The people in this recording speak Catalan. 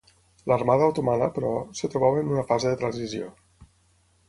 L'Armada otomana, però, es trobava en una fase de transició.